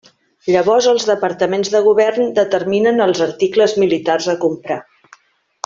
Llavors els departaments de govern determinen els articles militars a comprar.